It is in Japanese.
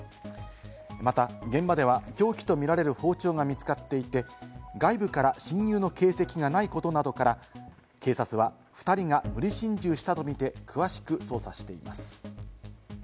また現場では凶器とみられる包丁が見つかっていて、外部から侵入の形跡がないことなどから、警察は２人が無理心中したとみて詳しく捜査しています。